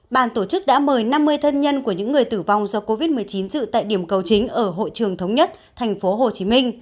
bàn tổ chức đã mời năm mươi thân nhân của những người tử vong do covid một mươi chín dự tại điểm cầu chính ở hội trường thống nhất tp hcm